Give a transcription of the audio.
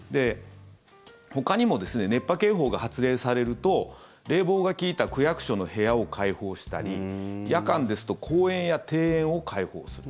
ほかにも熱波警報が発令されると冷房が利いた区役所の部屋を開放したり夜間ですと公園や庭園を開放する。